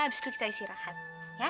abis itu kita istirahat ya